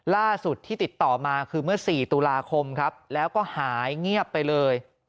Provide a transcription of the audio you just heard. ล่าสุดที่ติดต่อมาคือเมื่อ๔ตุลาคมครับแล้วก็หายเงียบไปเลย